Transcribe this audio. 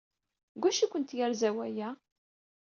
Deg wacu ay kent-yerza waya?